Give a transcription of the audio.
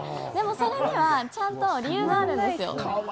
でもそれにはちゃんと理由があるんですよ。